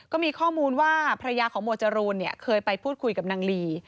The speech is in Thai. ก็มีข้อมูลว่าภรรยาของหมวดจรูนเคยไปพูดคุยกับนางลี